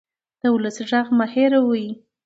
د ولس غږ مه هېروئ